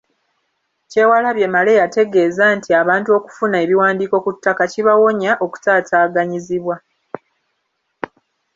Kyewalabye Male yategeeza nti abantu okufuna ebiwandiiko ku ttaka kibawonya okutaataaganyizibwa.